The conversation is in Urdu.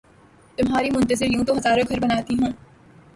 تمہاری منتظر یوں تو ہزاروں گھر بناتی ہوں